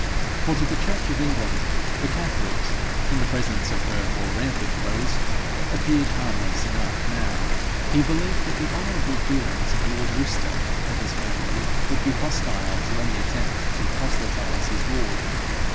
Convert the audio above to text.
For to the church of England, the catholics, in the presence of her more rampant foes, appeared harmless enough now. He believed that the honourable feelings of lord Worcester and his family would be hostile to any attempt to proselytize his ward.